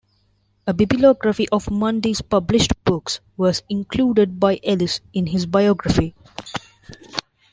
A bibliography of Mundy's published books was included by Ellis in his biography.